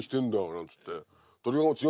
なんつって。